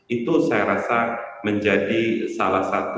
itu saya rasa menjadi salah satu